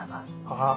ああ。